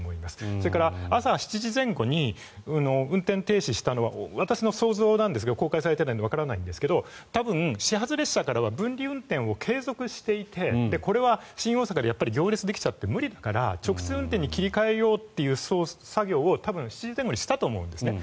それから、朝７時前後に運転停止したのは私の想像ですが公開されていないのでわかりませんが多分、始発列車からは分離運転を継続していて、これは新大阪でやっぱり行列ができて無理だから、直通運転に切り替えようという指示を多分７時前後にしたと思うんですね。